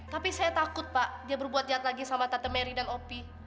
tapi saya takut pak dia berbuat jahat lagi sama tante mary dan opi